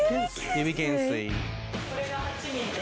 指懸垂。